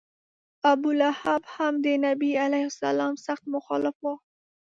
ابولهب هم د نبي علیه سلام سخت مخالف و.